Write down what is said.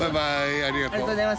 ありがとうございます。